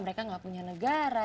mereka gak punya negara